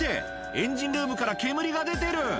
エンジンルームから煙が出てる！」